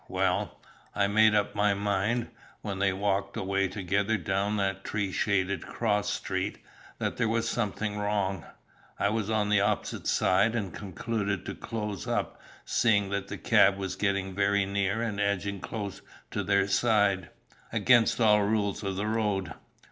Well, I made up my mind, when they walked away together down that tree shaded cross street, that there was something wrong. I was on the opposite side, and concluded to close up, seeing that the cab was getting very near and edging close to their side, against all rules of the road.